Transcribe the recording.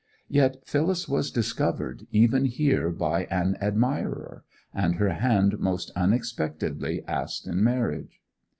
Yet Phyllis was discovered even here by an admirer, and her hand most unexpectedly asked in marriage.